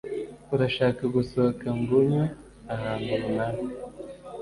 Urashaka gusohoka ngo unywe ahantu runaka?